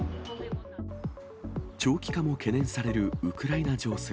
長期化も懸念されるウクライナ情勢。